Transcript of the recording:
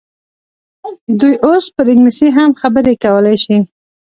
دوی اوس پر انګلیسي هم خبرې کولای شي.